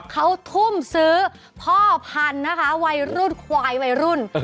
เขาทุ่มซื้อพ่อพันธ์วัยรุ่นไขวไว้รุ่น